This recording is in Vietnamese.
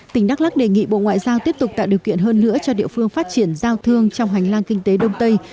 tỉnh đắk lắc đề nghị bộ ngoại giao tiếp tục tạo điều kiện hơn nữa cho địa phương phát triển giao thương trong hành lang kinh tế đông tây